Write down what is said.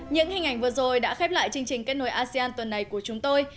những hình ảnh vừa rồi đã khép lại chương trình kết nối asean tuần này của chúng tôi